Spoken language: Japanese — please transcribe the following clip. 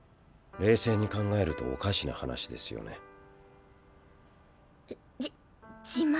冷静に考えるとおかしな話ですよねうっじ自慢？